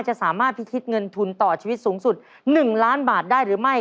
จะสามารถพิทิศเงินทุนต่อชีวิตสูงสุด๑ล้านบาทได้หรือไม่